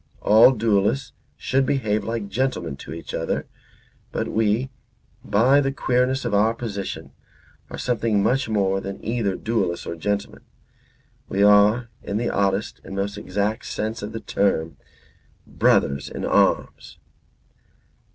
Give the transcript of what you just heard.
All duellists should behave like gentlemen to each other. But we, by the queerness of our position, are something much more than either duellists or gentlemen. We are, in the oddest and most exact sense of the term, brothers in arms."